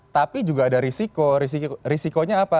tapi juga ada risiko risikonya apa